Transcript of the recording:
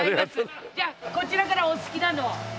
じゃあこちらからお好きなのを。